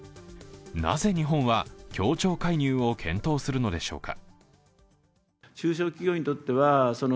なぜ日本は協調介入を検討するのでしょうか。